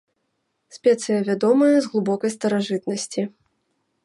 Спецыя, вядомая з глыбокай старажытнасці.